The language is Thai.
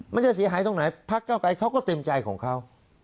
มันจะเสียหายตรงไหนพักเก้าไกรเขาก็เต็มใจของเขา